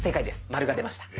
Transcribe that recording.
マルが出ました。